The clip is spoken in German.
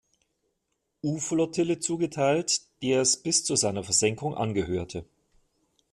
U-Flottille zugeteilt, der es bis zu seiner Versenkung angehörte.